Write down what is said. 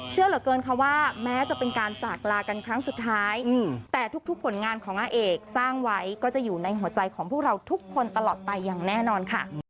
เชื่อเหลือเกินค่ะว่าแม้จะเป็นการจากลากันครั้งสุดท้ายแต่ทุกผลงานของอาเอกสร้างไว้ก็จะอยู่ในหัวใจของพวกเราทุกคนตลอดไปอย่างแน่นอนค่ะ